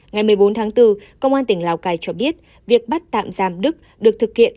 ngày một mươi bốn tháng bốn công an tỉnh lào cai cho biết việc bắt tạm giam đức được thực hiện